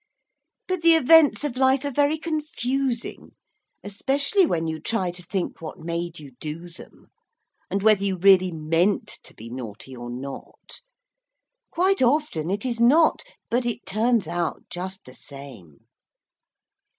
But the events of life are very confusing, especially when you try to think what made you do them, and whether you really meant to be naughty or not. Quite often it is not but it turns out just the same.